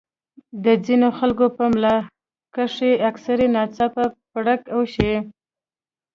د ځينې خلکو پۀ ملا کښې اکثر ناڅاپه پړق اوشي